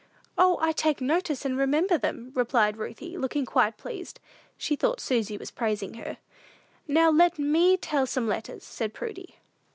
"O, I take notice, and remember them," replied Ruthie, looking quite pleased. She thought Susy was praising her. "Now let me tell some letters," said Prudy.